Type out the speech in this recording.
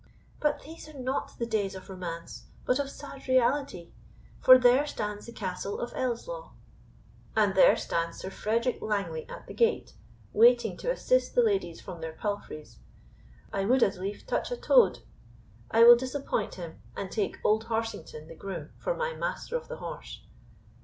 "But these are not the days of romance, but of sad reality, for there stands the castle of Ellieslaw." "And there stands Sir Frederick Langley at the gate, waiting to assist the ladies from their palfreys. I would as lief touch a toad; I will disappoint him, and take old Horsington the groom for my master of the horse."